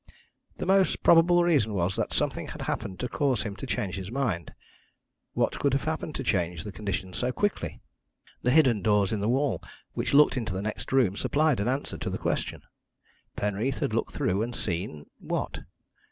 The most probable reason was that something had happened to cause him to change his mind. What could have happened to change the conditions so quickly? The hidden doors in the wall, which looked into the next room, supplied an answer to the question. Penreath had looked through, and seen what?